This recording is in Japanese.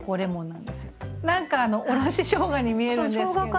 何かあのおろししょうがに見えるんですけど。